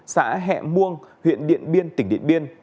xã hẹ muông huyện điện biên tỉnh điện biên